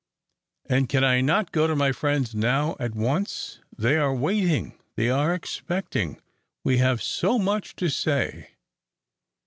"And can I not go to my friends now at once? They are waiting, they are expecting. We have so much to say."